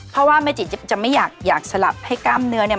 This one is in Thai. เพราะว่าแม่จิ๊บจะไม่อยากสลับให้กล้ามเนื้อเนี่ย